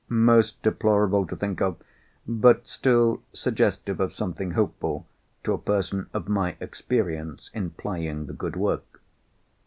Most deplorable to think of—but, still, suggestive of something hopeful, to a person of my experience in plying the good work.